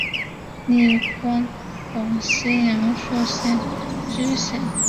历官广西阳朔县知县。